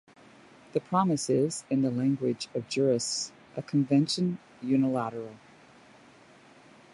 The promise is, in the language of jurists, a convention unilateral.